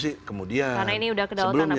karena ini sudah kedaulatan